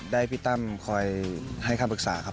ได้พี่ตัมค่อยให้คำอึกษา